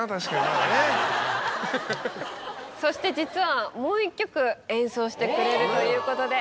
そして実はもう１曲演奏してくれるということで。